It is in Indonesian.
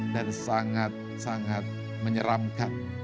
dan sangat sangat menyeramkan